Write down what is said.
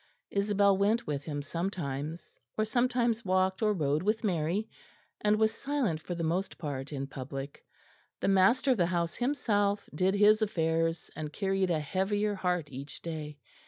Isabel went with him sometimes; or sometimes walked or rode with Mary, and was silent for the most part in public. The master of the house himself did his affairs, and carried a heavier heart each day.